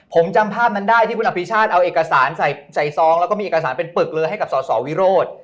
ผมจำภาพที่คุณอภิชาศเอาเอกสารใส่ซองที่มีเอกสารเปิดเงินให้สสศวิโรธ